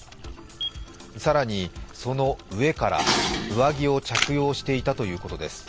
更にその上から上着を着用していたということです。